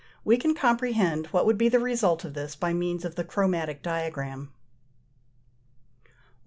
We can comprehend what would be the result of this by means of the chromatic diagram. 112.